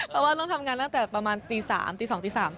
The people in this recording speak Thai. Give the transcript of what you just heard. เพราะว่าต้องทำงานตั้งแต่ประมาณตี๓ตี๒ตี๓